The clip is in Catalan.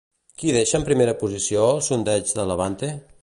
Qui deixa en primera posició el sondeig de Levante?